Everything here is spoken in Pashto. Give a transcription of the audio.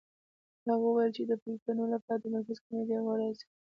هغه وویل چې د پلټنو لپاره د مرکزي کمېټې غړي راځي